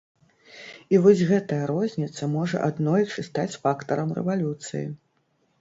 І вось гэтая розніца можа аднойчы стаць фактарам рэвалюцыі.